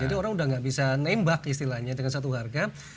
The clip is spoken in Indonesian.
jadi orang sudah tidak bisa menembak istilahnya dengan satu harga